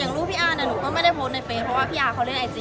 แต่รูปอานมันไม่ได้โพสต์ในอายุเฟรกว่าอางหลายอำนาจ